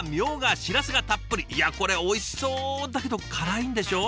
いやこれおいしそうだけど辛いんでしょ？